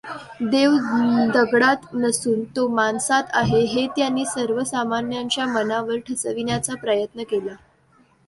देव दगडात नसून तो माणसांत आहे हे त्यांनी सर्वसामान्यांच्या मनावर ठसविण्याचा प्रयत् न केला.